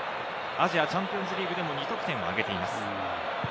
アジアチャンピオンズリーグでも２得点をあげています。